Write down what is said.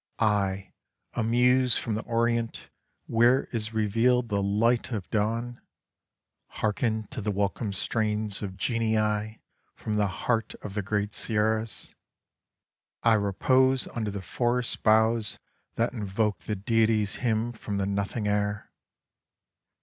I, a muse from the Orient, where is revealed the light of dawn, Harken to the welcome strains of genii from the heart of the great Sierras — I repose under the forest boughs that invoke the Deity's hymn from the Nothing air.